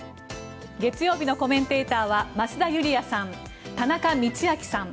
月曜日のコメンテーターは増田ユリヤさん、田中道昭さん。